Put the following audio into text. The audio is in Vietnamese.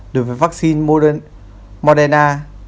đối với vắc xin moderna